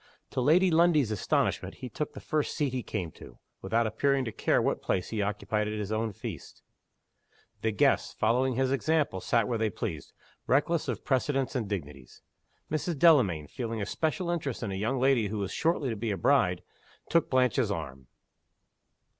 To Lady Lundie's astonishment he took the first seat he came to, without appearing to care what place he occupied at his own feast. The guests, following his example, sat where they pleased, reckless of precedents and dignities. Mrs. Delamayn, feeling a special interest in a young lady who was shortly to be a bride, took Blanche's arm.